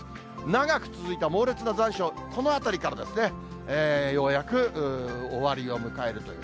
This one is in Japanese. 長く続いた猛烈な残暑、このあたりから、ようやく終わりを迎えるという。